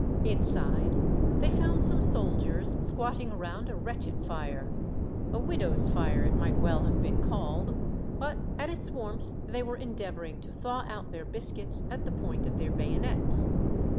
Inside they found some soldiers squatting around a wretched fire ; a widow's fire it might well have been called, but at its warmth they were endeavoring to thaw out their biscuits at the point of their bayonets.